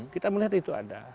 kita melihat itu ada